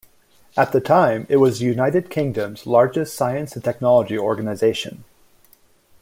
At the time it was the United Kingdom's largest science and technology organisation.